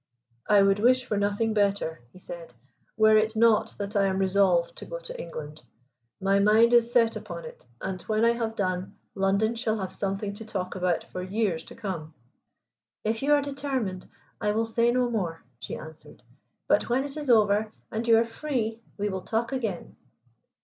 "I would wish for nothing better," he said, "were it not that I am resolved to go to England. My mind is set upon it and when I have done, London shall have something to talk about for years to come." "If you are determined, I will say no more," she answered; "but when it is over, and you are free, we will talk again."